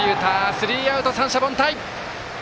スリーアウト、三者凡退！